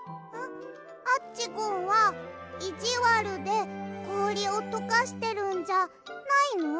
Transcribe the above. アッチゴンはいじわるでこおりをとかしてるんじゃないの？